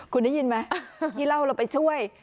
คุณได้ยินไหมพี่เล่าเราไปช่วย